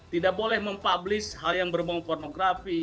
tidak boleh mempublish hal yang berhubungan pornografi